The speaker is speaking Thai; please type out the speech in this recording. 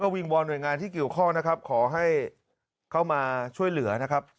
วิงวอนหน่วยงานที่เกี่ยวข้องนะครับขอให้เข้ามาช่วยเหลือนะครับ